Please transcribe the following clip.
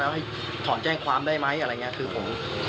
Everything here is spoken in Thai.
แล้วให้ถอนแจ้งความได้ไหมอะไรอย่างนี้คือผม